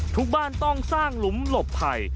ทุกบ้านต้องสร้างลุมลบไผ่